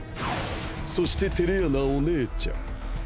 そしててれ屋なお姉ちゃん。